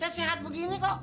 saya sehat begini kok